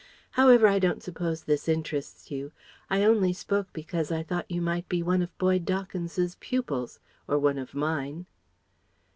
However, I don't suppose this interests you. I only spoke because I thought you might be one of Boyd Dawkins's pupils ... or one of mine."